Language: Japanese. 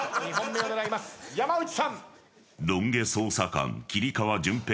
山内さん。